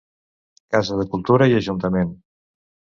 Casa de Cultura i Ajuntament.